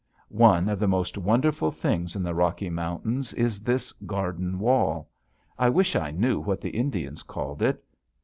One of the most wonderful things in the Rocky Mountains is this Garden Wall. I wish I knew what the Indians called it.